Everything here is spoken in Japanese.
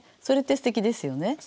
それってすてきですよね。